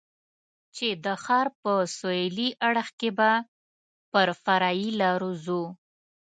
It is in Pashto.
چې د ښار په سهېلي اړخ کې به پر فرعي لارو ځو.